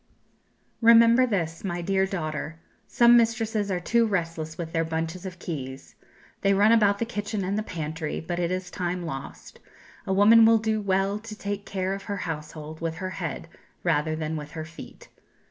Remember this, my dear daughter, some mistresses are too restless with their bunches of keys; they run about the kitchen and the pantry, but it is time lost; a woman will do well to take care of her household with her head rather than with her feet.